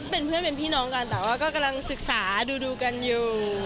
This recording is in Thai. เป็นเพื่อนเป็นพี่น้องกันแต่ว่าก็กำลังศึกษาดูกันอยู่